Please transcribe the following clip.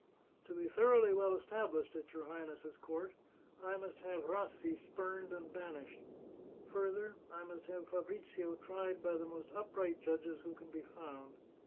" To be thoroughly well established at your Highness's court, I must have Rassi spumed and banished. Further, I must have Fabrizio tried by the most upright judges who can be found.